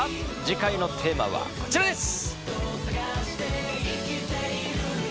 次回のテーマはこちらです。